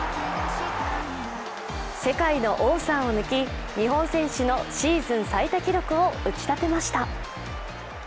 世界の王さんを抜き、日本選手のシーズン最多記録を打ち立てました。